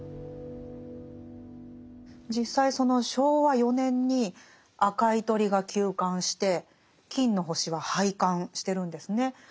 実際その昭和４年に「赤い鳥」が休刊して「金の星」は廃刊してるんですね。